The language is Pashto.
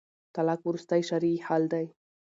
طلاق وروستی شرعي حل دی